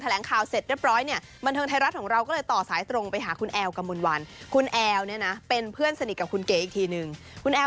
ตรงข้ามได้ว่าหน้ามือเป็นหลังมือ